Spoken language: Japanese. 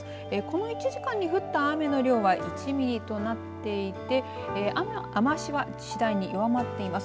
この１時間に降った雨の量は１ミリとなっていて雨足は次第に弱まっています。